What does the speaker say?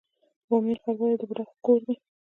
بامیان ښار ولې د بودا کور دی؟